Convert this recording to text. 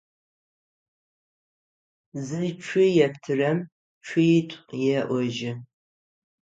Зыцу зэптырэм цуитӏу еӏожьы.